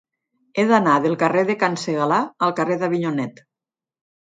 He d'anar del carrer de Can Segalar al carrer d'Avinyonet.